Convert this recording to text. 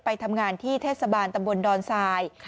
ไปทำงานที่เทศบาลตำบลดอนทราย